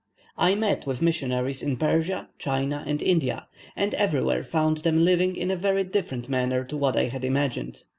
I met with missionaries in Persia, China, and India, and everywhere found them living in a very different manner to what I had imagined.